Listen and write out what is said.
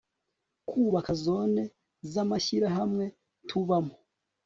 kubaka zone zamashyirahamwe tubamo